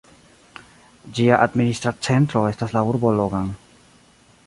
Ĝia administra centro estas la urbo Logan.